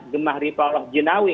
gemah riba allah jinawi